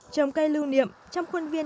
trồng cây lưu niệm trong khuôn viên